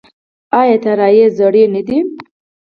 آیا الوتکې یې زړې نه دي؟